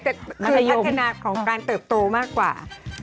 อะไรพัฒนาของการเติบโตมากกว่า